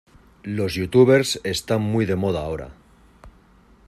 Los youtubers están muy de moda ahora